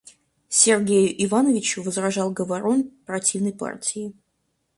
Сергею Ивановичу возражал говорун противной партии.